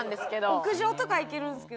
屋上とかは行けるんですけどね。